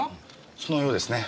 そのようですね。